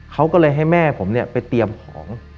เขาก็เลยให้แม่ผมเนี่ยไปเตรียมของ